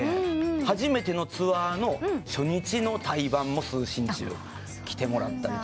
初めてのツアーの初日の対バンも四星球に来てもらったりとか。